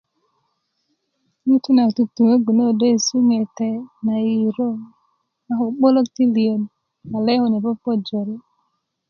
ŋutu' na tutunöggu na ködö yesu ŋete' na yuyurö a ko 'bolot ti liyot ma le kune popo jore